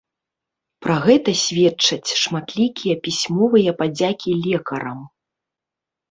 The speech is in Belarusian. Пра гэта сведчаць шматлікія пісьмовыя падзякі лекарам.